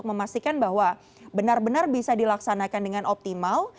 memastikan bahwa benar benar bisa dilaksanakan dengan optimal